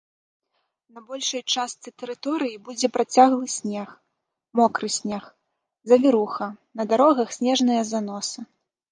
На большай частцы тэрыторыі будзе працяглы снег, мокры снег, завіруха, на дарогах снежныя заносы.